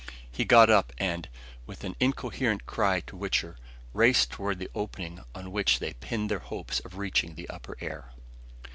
He got up and, with an incoherent cry to Wichter, raced toward the opening on which they pinned their hopes of reaching the upper air.